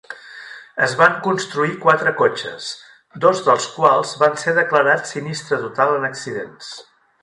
Es van construir quatre cotxes, dos dels quals van ser declarats sinistre total en accidents.